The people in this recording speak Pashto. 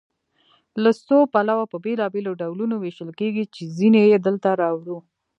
له څو پلوه په بېلابېلو ډولونو ویشل کیږي چې ځینې یې دلته راوړو.